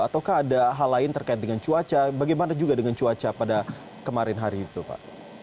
ataukah ada hal lain terkait dengan cuaca bagaimana juga dengan cuaca pada kemarin hari itu pak